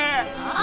あ！？